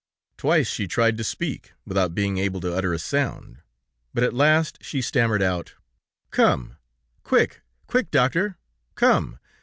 Twice she tried to speak, without being able to utter a sound, but at last she stammered out: 'Come... quick... quick, Doctor... Come...